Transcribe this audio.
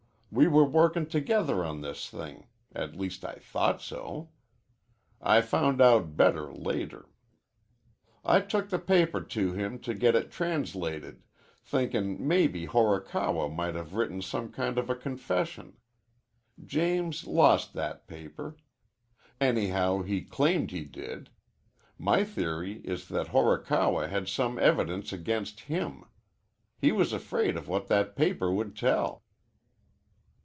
We were workin' together on this thing. At least I thought so. I found out better later. I took the paper to him to get it translated, thinkin' maybe Horikawa might have written some kind of a confession. James lost that paper. Anyhow, he claimed he did. My theory is that Horikawa had some evidence against him. He was afraid of what that paper would tell."